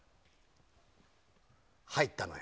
入ったのよ。